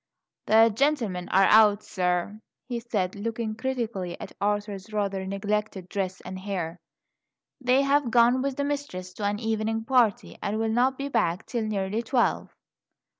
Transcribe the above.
"The gentlemen are out, sir," he said, looking critically at Arthur's rather neglected dress and hair. "They have gone with the mistress to an evening party, and will not be back till nearly twelve."